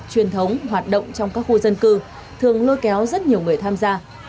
lạnh năm lọt giữa khu dân cư